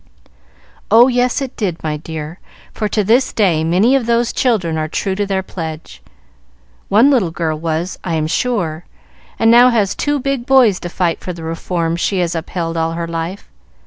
"Oh yes, it did, my dear; for to this day many of those children are true to their pledge. One little girl was, I am sure, and now has two big boys to fight for the reform she has upheld all her life.